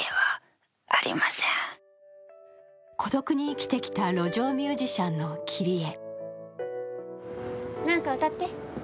孤独に生きてきた路上ミュージシャンのキリエ。